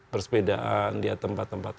bersepedaan lihat tempat tempat